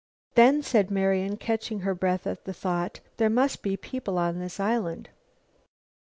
"Then," said Marian, catching her breath at the thought, "there must be people on this island."